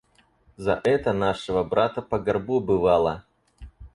За это нашего брата по горбу бывало.